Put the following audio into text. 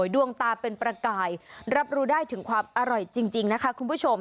ดวงตาเป็นประกายรับรู้ได้ถึงความอร่อยจริงนะคะคุณผู้ชม